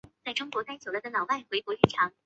系统最终在墨西哥北部上空快速消散。